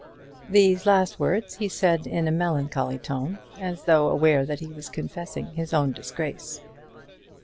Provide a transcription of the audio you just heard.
These last words he said in a melancholy tone, as though aware that he was confessing his own disgrace.